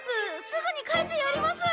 すぐに帰ってやります！